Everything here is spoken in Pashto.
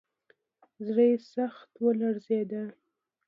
زړه یې سخت ولړزېد.